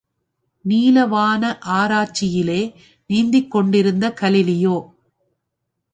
நீலவான ஆராய்ச்சியிலே நீந்திக் கொண்டிருந்த கலீலியோ.